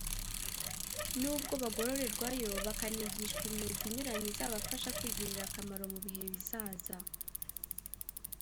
nubwo bagororerwayo bakanigishwa imyuga inyuranye izabafasha kwigirira akamaro mu bihe bizaza